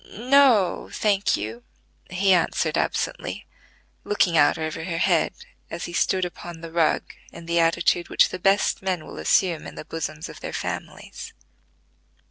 "No, thank you," he answered absently, looking out over her head, as he stood upon the rug in the attitude which the best men will assume in the bosoms of their families.